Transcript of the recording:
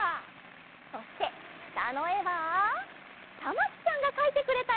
そしてしたのえはたまきちゃんがかいてくれたえです。